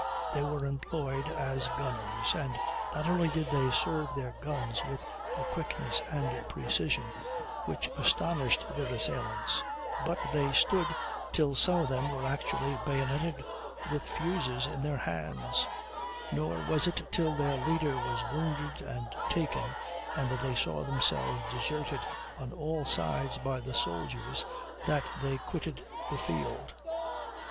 They were employed as gunners, and not only did they serve their guns with a quickness and precision which astonished their assailants, but they stood till some of them were actually bayoneted with fuses in their hands; nor was it till their leader was wounded and taken, and they saw themselves deserted on all sides by the soldiers, that they quitted the field."